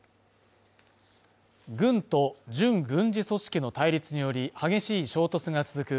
軍と準軍事組織の対立により激しい衝突が続く